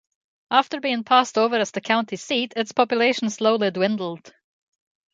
After being passed over as the county's seat, its population slowly dwindled.